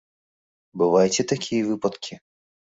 Бываюць і такія выпадкі.